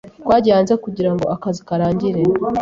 Twagiye hanze kugirango akazi karangire.